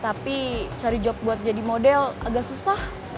tapi cari job buat jadi model agak susah